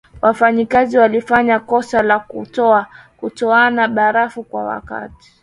wafanyikazi walifanya kosa la kutoona barafu kwa wakati